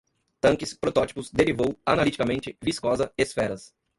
tanques, protótipos, derivou, analiticamente, viscosa, esferas